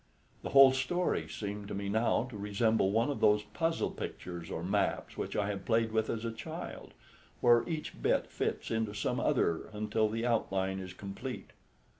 The whole story seemed to me now to resemble one of those puzzle pictures or maps which I have played with as a child, where each bit fits into some other until the outline is complete.